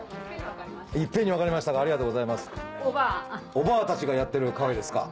おばあたちがやってるカフェですか。